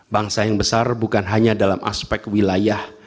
bangsa yang besar bukan hanya dalam aspek wilayah